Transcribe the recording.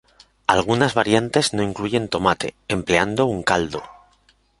Algunas variantes no incluyen tomate, empleando un caldo.